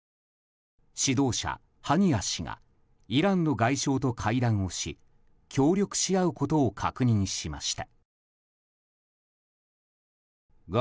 指導者ハニヤ氏がイランの外相と会談をし協力し合うことを確認しました。